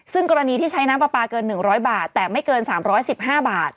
ซึ่งกรณีที่ใช้น้ำปลาปลาเกิน๑๐๐บาทแต่ไม่เกิน๓๑๕บาท